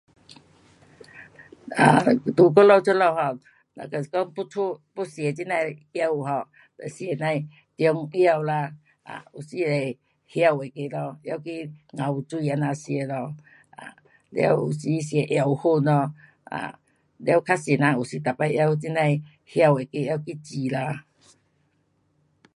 啊，在我们这里 um 若是讲要吃，要吃这呐的药物 um 有时可以电表啊，有时会晓那个啊，了去若有水这样吃咯，了有时吃药粉咯，啊，了较多人有时每次拿这呐的瓢那个拿去接咯。